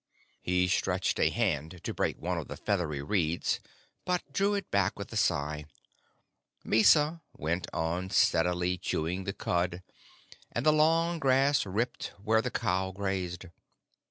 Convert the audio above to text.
He stretched a hand to break one of the feathery reeds, but drew it back with a sigh. Mysa went on steadily chewing the cud, and the long grass ripped where the cow grazed.